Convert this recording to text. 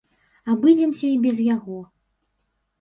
Абыдземся і без яго.